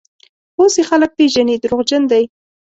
اوس یې خلک پېژني: دروغجن دی.